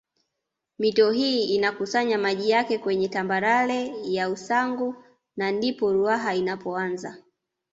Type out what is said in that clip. Mito hii inakusanya maji yake kwenye tambarare ya Usangu na ndipo Ruaha inapoanza